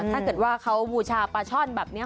ถ้าเกิดว่าเขาบูชาปลาช่อนแบบนี้